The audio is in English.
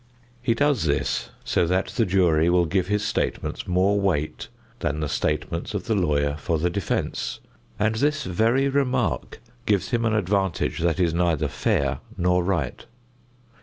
He does this so that the jury will give his statements more weight than the statements of the lawyer for the defense, and this very remark gives him an advantage that is neither fair nor right.